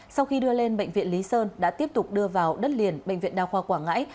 sau khi đưa lên bệnh viện lý sơn đã tiếp tục đưa vào đất liền bệnh viện đa khoa quảng ngãi